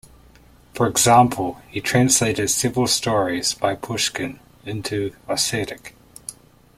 For example, he translated several stories by Pushkin into Ossetic.